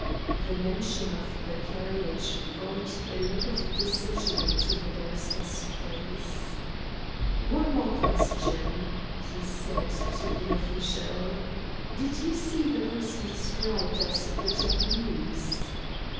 The mention of the carriage brought a look of decision into the barrister's face. "One more question," he said to the official. "Did you see the person described as the Japanese?"